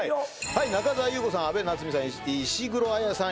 中澤裕子さん安倍なつみさん石黒彩さん